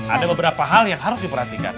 ada beberapa hal yang harus diperhatikan